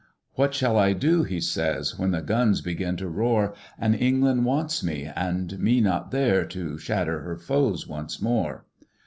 "'What shall I do,' he says, 'When the guns begin to roar, An' England wants me, and me not there To shatter 'er foes once more?'